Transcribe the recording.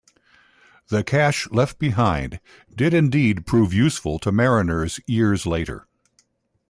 The cache left behind did indeed prove useful to mariners years later.